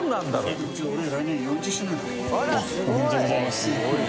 すごいね。